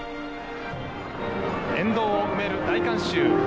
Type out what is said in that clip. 沿道を埋める大観衆。